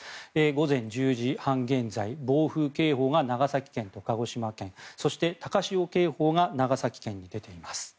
午前１０時３０分現在暴風警報が長崎県と鹿児島県そして、高潮警報が長崎県に出ています。